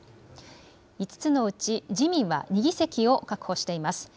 ５つのうち自民は２議席を確保しています。